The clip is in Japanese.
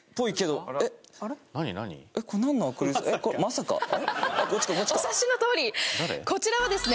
えっこれお察しのとおりこちらはですね